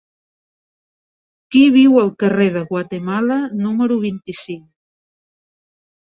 Qui viu al carrer de Guatemala número vint-i-cinc?